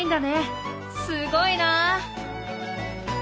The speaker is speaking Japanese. すごいなあ！